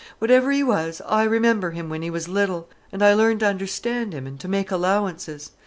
Whatever he was, I remember him when he was little, an' I learned to understand him and to make allowances.